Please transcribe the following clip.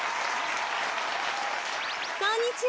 こんにちは。